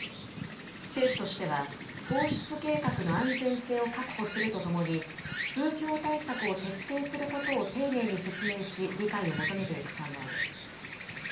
政府としては、放出計画の安全性を確保するとともに、風評対策を徹底することを丁寧に説明し、理解を求めていく考えです。